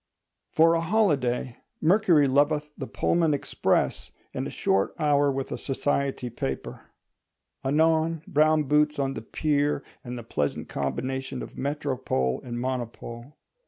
For a holiday, Mercury loveth the Pullman Express, and a short hour with a society paper; anon, brown boots on the pier, and the pleasant combination of Métropole and Monopole.